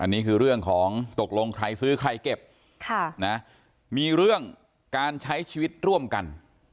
อันนี้คือเรื่องของตกลงใครซื้อใครเก็บมีเรื่องการใช้ชีวิตร่วมกัน